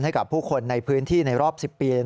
ให้กับผู้คนในพื้นที่ในรอบ๑๐ปี